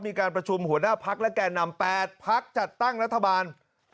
มีการประชุมหัวหน้าพักและแก่นำ๘พักจัดตั้งรัฐบาล